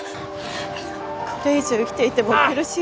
これ以上生きていても苦しいだけ。